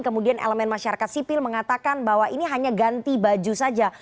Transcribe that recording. kemudian elemen masyarakat sipil mengatakan bahwa ini hanya ganti baju saja